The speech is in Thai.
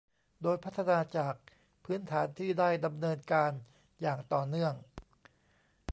โดยพัฒนาจากพื้นฐานที่ได้ดำเนินการอย่างต่อเนื่อง